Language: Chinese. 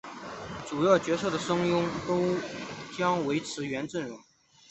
主要角色的声优都将维持原阵容。